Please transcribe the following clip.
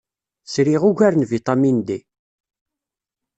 Sriɣ ugar n vitamin D.